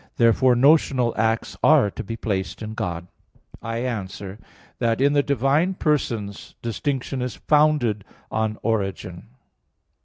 Therefore notional acts are to be placed in God. I answer that, In the divine persons distinction is founded on origin.